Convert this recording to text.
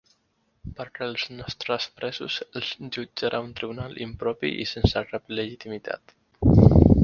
Perquè els nostres presos els jutjarà un tribunal impropi i sense cap legitimitat.